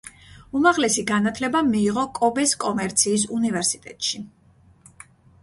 უმაღლესი განათლება მიიღო კობეს კომერციის უნივერსიტეტში.